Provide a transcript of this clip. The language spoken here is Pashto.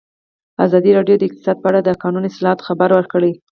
ازادي راډیو د اقتصاد په اړه د قانوني اصلاحاتو خبر ورکړی.